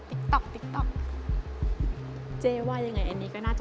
เออคิดว่าอันนี้